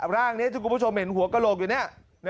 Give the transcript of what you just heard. ร่างอันนี้ทุกคนผู้ชมเห็นหัวกระดูกอยู่เนี่ย